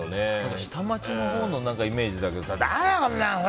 下町のほうのイメージなんだけどさ